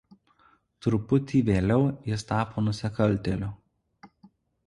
Truputį vėliau jis tapo nusikaltėliu.